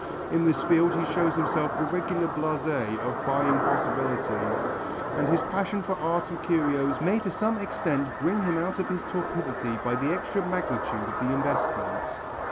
In this field he shows himself a regular blasé of buying possibilities and his passion for art and curios may to some extent bring him out of his torpidity by the extra magnitude of the investment.